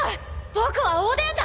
僕はおでんだ！